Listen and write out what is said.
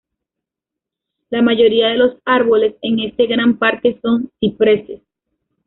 La mayoría de los árboles en este gran parque son cipreses.